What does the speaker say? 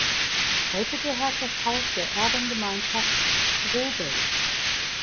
Heute gehört das Haus der Erbengemeinschaft Strobel.